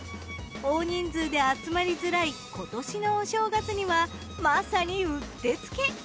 大人数で集まりづらい今年のお正月にはまさにうってつけ！